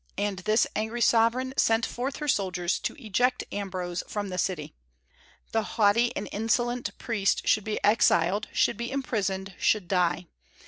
And this angry sovereign sent forth her soldiers to eject Ambrose from the city. The haughty and insolent priest should be exiled, should be imprisoned, should die.